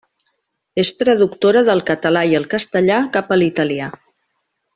És traductora del català i el castellà cap a l’italià.